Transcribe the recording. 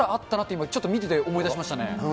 今、ちょっと見てて思い出しましたね。